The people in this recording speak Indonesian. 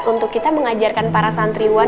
untuk kita mengajarkan para santriwan